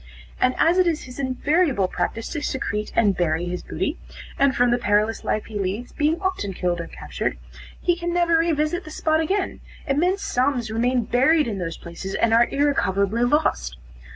And as it is his invariable practice to secrete and bury his booty, and from the perilous life he leads, being often killed or captured, he can never re visit the spot again; immense sums remain buried in those places, and are irrecoverably lost.